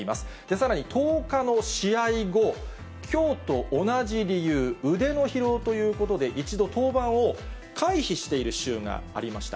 さらに、１０日の試合後、きょうと同じ理由、腕の疲労ということで、一度登板を回避している週がありました。